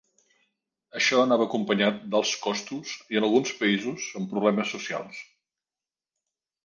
Això anava acompanyat d'alts costos, i en alguns països amb problemes socials.